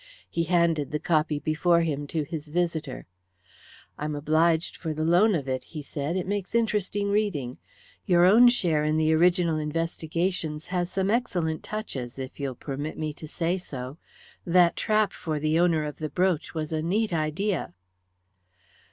He handed the copy before him to his visitor. "I am obliged for the loan of it," he said. "It makes interesting reading. You're own share in the original investigations has some excellent touches, if you'll permit me to say so. That trap for the owner of the brooch was a neat idea."